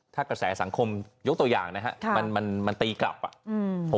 ถ้ากระแสสังคมยกตัวอย่างนะครับมันมันตีกลับอ่ะอืม